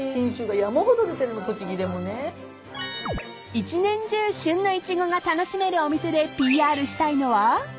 ［一年中旬のイチゴが楽しめるお店でＰＲしたいのは］